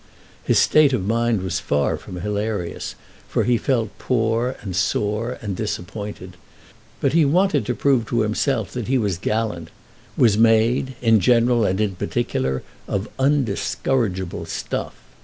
His state of mind was far from hilarious, for he felt poor and sore and disappointed; but he wanted to prove to himself that he was gallant—was made, in general and in particular, of undiscourageable stuff.